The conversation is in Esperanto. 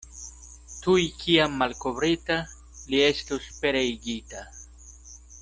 Tuj kiam malkovrita, li estus pereigita.